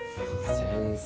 先生